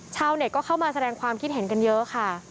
ชาวเน็ตก็เข้ามาแสดงความคิดเห็นกันเยอะค่ะ